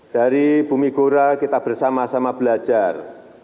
dari bumi gora kita bersama sama belajar